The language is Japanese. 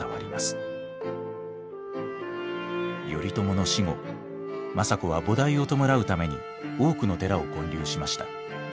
頼朝の死後政子は菩提を弔うために多くの寺を建立しました。